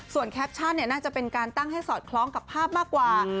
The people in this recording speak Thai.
แคปชั่นน่าจะเป็นการตั้งให้สอดคล้องกับภาพมากกว่า